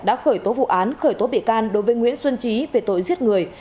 đã khởi tố vụ án khởi tố bị can đối với nguyễn xuân trí về tội giết người